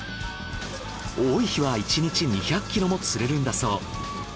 多い日は１日２００キロも釣れるんだそう。